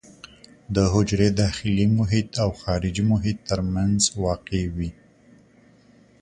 د حجرې داخلي محیط او خارجي محیط ترمنځ واقع وي.